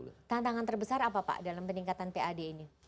tantangan terbesar apa pak dalam peningkatan pad ini